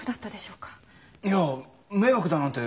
いや迷惑だなんて